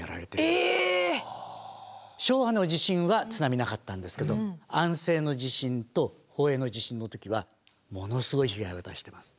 昭和の地震は津波なかったんですけど安政の地震と宝永の地震の時はものすごい被害を出してます。